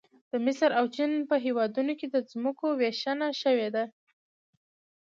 د مصر او چین په هېوادونو کې د ځمکو ویشنه شوې ده